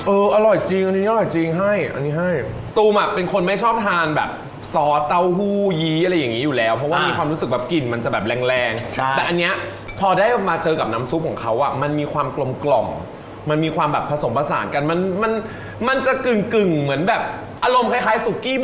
อร่อยจริงอันนี้อร่อยจริงให้อันนี้ให้ตูมอ่ะเป็นคนไม่ชอบทานแบบซอสเต้าหู้ยี้อะไรอย่างงี้อยู่แล้วเพราะว่ามีความรู้สึกแบบกลิ่นมันจะแบบแรงแรงใช่แต่อันเนี้ยพอได้มาเจอกับน้ำซุปของเขาอ่ะมันมีความกลมกล่อมมันมีความแบบผสมผสานกันมันมันมันจะกึ่งกึ่งเหมือนแบบอารมณ์คล้ายซุกี้